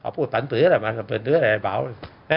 เขาพูดฝันฟื้ออะไรมาฝันฟื้ออะไรแบบเบาอ่ะอ่ะ